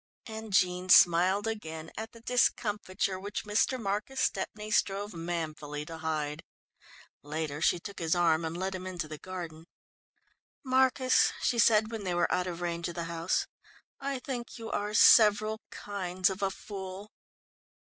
And Jean smiled again at the discomfiture which Mr. Marcus Stepney strove manfully to hide. Later she took his arm and led him into the garden. "Marcus," she said when they were out of range of the house, "I think you are several kinds of a fool."